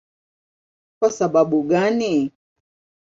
Kwa sababu gani?